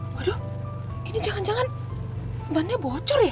waduh ini jangan jangan bannya bocor ya